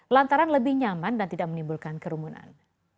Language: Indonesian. lantaran lebih nyaman dan tidak menimbulkan kerumunan